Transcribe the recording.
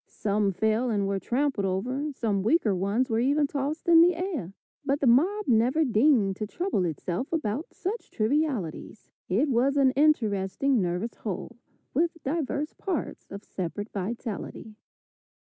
Some fell and were trampled over, some weaker ones were even tossed in the air, but the mob never deigned to trouble itself about such trivialities. It was an interesting, nervous whole, with divers parts of separate vitality.